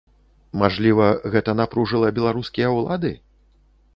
Мажліва, гэта напружыла беларускія ўлады?